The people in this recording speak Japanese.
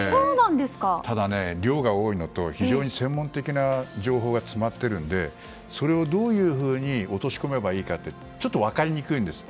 ただ、量が多いのと非常に専門的な情報が詰まっているのでそれをどういうふうに落とし込めばいいかってちょっと分かりにくいんです。